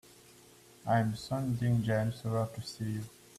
I'm sending James over to see you.